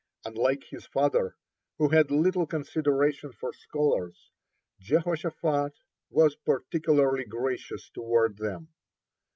(27) Unlike his father, who had little consideration for scholars, Jehoshaphat was particularly gracious toward them.